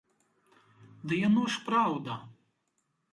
Ды яно ж праўда!